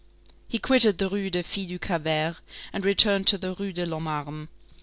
He quitted the Rue des Filles du Calvaire, and returned to the Rue de l'Homme Armé.